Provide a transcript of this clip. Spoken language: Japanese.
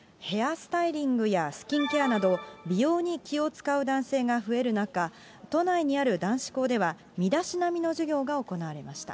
スタイリングやスキンケアなど、美容に気を遣う男性が増える中、都内にある男子校では、身だしなみの授業が行われました。